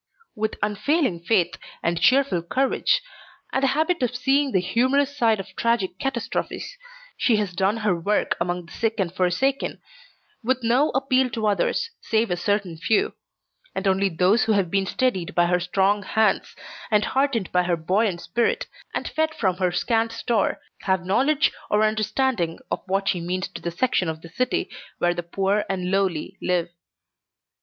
With unfailing faith and cheerful courage and a habit of seeing the humorous side of tragic catastrophes, she has done her work among the sick and forsaken, with no appeal to others save a certain few; and only those who have been steadied by her strong hands, and heartened by her buoyant spirit, and fed from her scant store, have knowledge or understanding of what she means to the section of the city where the poor and lowly live.